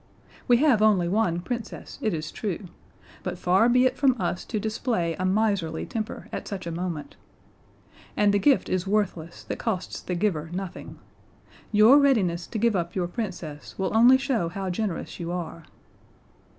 We have only one Princess, it is true; but far be it from us to display a miserly temper at such a moment. And the gift is worthless that costs the giver nothing. Your readiness to give up your Princess will only show how generous you are."